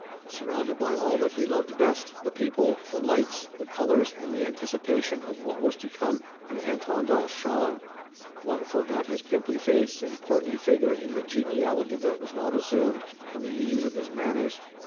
Surrounded by all that he loved best, the people, the lights, the colors, and the anticipation of what was to come, the Intendant shone. One forgot his pimply face and portly figure in the geniality that was not assumed, and the ease of his manners.